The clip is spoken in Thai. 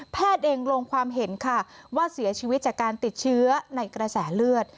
เองลงความเห็นค่ะว่าเสียชีวิตจากการติดเชื้อในกระแสเลือด